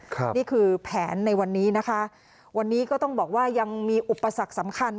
นี่คือแผนในวันนี้นะคะวันนี้ก็ต้องบอกว่ายังมีอุปสรรคสำคัญ